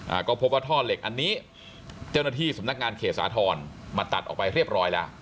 อ่าก็พบว่าท่อเหล็กอันนี้เจ้าหน้าที่สำนักงานเขตสาธรณ์มาตัดออกไปเรียบร้อยแล้ว